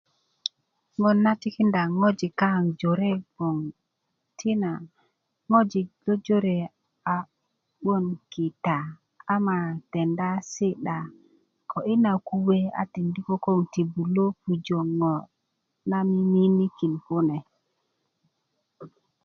ŋo na kikinda ŋojik kaaŋ jore gboŋ tina ŋoji lo jojore a 'buwön kita ama denda si'da a tikinda ko kulo nyöbulö pujö ŋo na mimiinikin kune